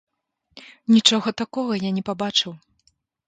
Нічога такога я не пабачыў.